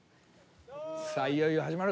さあいよいよ始まる！